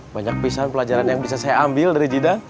banyak pisan pelajaran yang bisa saya ambil dari jidan